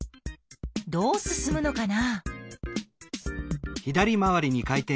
どう進むのかな？